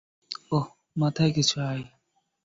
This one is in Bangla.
ওহ, মাথায় কিছু আয়!